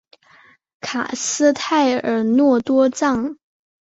卡斯泰尔诺多藏。